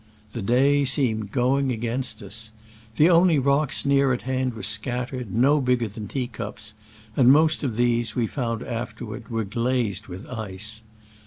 The day seemed going against us. The only rocks near at hand were scattered, no bigger than tea cups, and most of these, we found afterward, were glazed with ice.